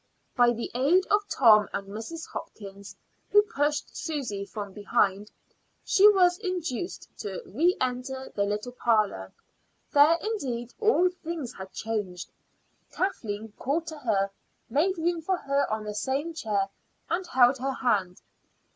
By the aid of Tom and Mrs. Hopkins, who pushed Susy from behind, she was induced to re enter the little parlor. There, indeed, all things had changed. Kathleen called to her, made room for her on the same chair, and held her hand.